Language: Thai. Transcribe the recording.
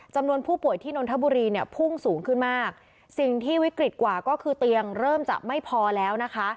จำนวนผู้ป่วยที่นนทบุรีเนี่ยพุ่งสูงขึ้นมากสิ่งที่วิกฤตกว่าก็คือเตียงเริ่มจะไม่พอแล้วนะคะ